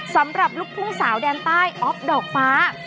สำหรับลูกทุ่งสาวแดนใต้อ๊อฟดอกฟ้า